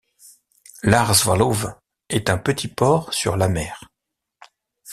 Lage Zwaluwe a un petit port sur l'Amer.